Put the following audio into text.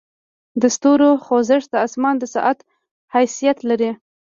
د ستورو خوځښت د اسمان د ساعت حیثیت لري.